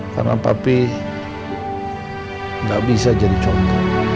karena papi nggak bisa jadi copet